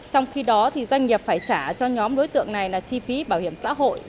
trong khi đó doanh nghiệp phải trả cho nhóm đối tượng này là chi phí bảo hiểm xã hội